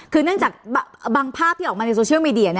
คือเนื่องจากบางภาพที่ออกมาในโซเชียลมีเดีย